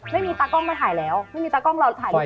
ไม่มีตากล้องมาถ่ายแล้วไม่มีตากล้องเราถ่ายดีกว่าแล้ว